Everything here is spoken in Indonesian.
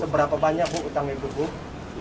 berapa banyak hutangnya